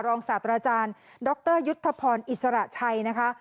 ศาสตราจารย์ดรยุทธพรอิสระชัยนะคะ